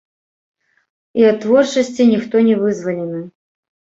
І ад творчасці ніхто не вызвалены!